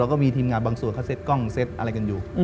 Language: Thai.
แล้วก็มีทีมงานบางส่วนเขาเซ็ตกล้องเซ็ตอะไรกันอยู่